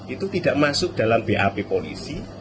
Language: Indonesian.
itu tidak masuk dalam bap polisi